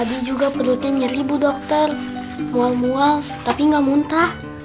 tadi juga perutnya nyeribu dokter mual mual tapi gak muntah